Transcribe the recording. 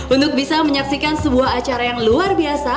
untuk bisa menyaksikan sebuah acara yang luar biasa